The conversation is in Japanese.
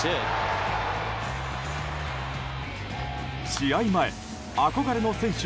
試合前、憧れの選手